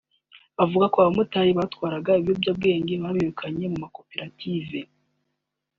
avuga ko abamotari batwaraga ibiyobyabwenge babirukanye mu makoperative